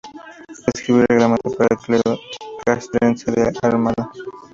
Escribió el reglamento para el Clero Castrense de la Armada.